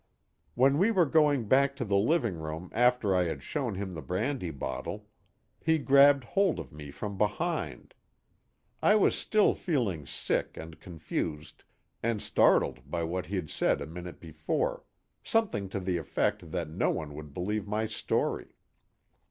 "When we were going back to the living room after I had shown him the brandy bottle, he grabbed hold of me from behind. I was still feeling sick and confused, and startled by what he'd said a minute before something to the effect that no one would believe my story.